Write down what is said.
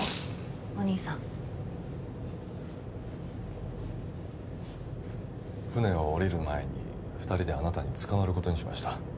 お兄さん船を降りる前に二人であなたに捕まることにしました